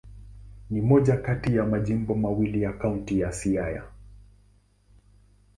Ni moja kati ya majimbo mawili ya Kaunti ya Siaya.